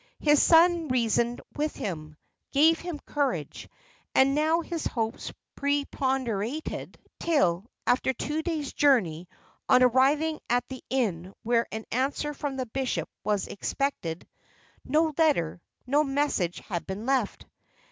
His son reasoned with him gave him courage; and now his hopes preponderated, till, after two days' journey, on arriving at the inn where an answer from the bishop was expected, no letter, no message had been left.